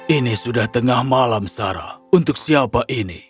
ini sudah tengah malam sarah untuk siapa ini